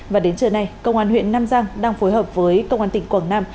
và đến trưa nay công an huyện nam giang đang phối hợp với công an tỉnh quảng nam